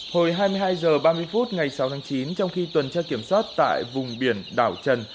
hồi hai mươi hai h ba mươi phút ngày sáu tháng chín trong khi tuần tra kiểm soát tại vùng biển đảo trần